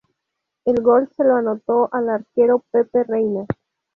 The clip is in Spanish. El gol se lo anotó al arquero Pepe Reina.